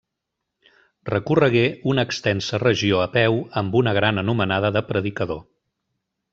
Recorregué una extensa regió a peu amb una gran anomenada de predicador.